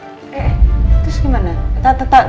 eh terus gimana